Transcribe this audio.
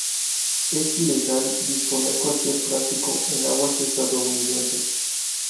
Es ilegal disponer cualquier plástico en aguas estadounidenses.